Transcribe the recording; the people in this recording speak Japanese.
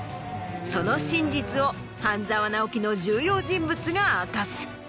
その真実を『半沢直樹』の重要人物が明かす。